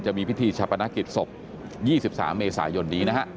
จะมีพิธีชาปนกิจศพ๒๓เมษายนนี้นะฮะ